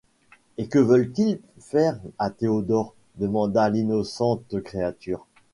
Et que veulent-ils faire à Théodore? demanda l’innocente créature.